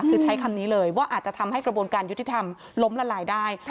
คือใช้คำนี้เลยว่าอาจจะทำให้กระบวนการยุติธรรมล้มละลายได้